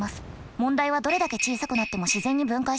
問題はどれだけ小さくなっても自然に分解しないこと。